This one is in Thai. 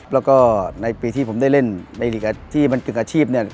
แล้วก็ในปีที่ผมได้เล่นในลีกที่มันกึ่งอาชีพเนี่ย